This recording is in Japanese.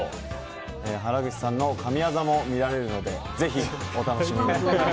原口さんの神業も見られるのでぜひ、お楽しみに！